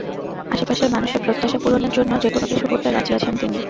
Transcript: আশপাশের মানুষের প্রত্যাশা পূরণের জন্য যেকোনো কিছু করতে রাজি আছেন তিনি।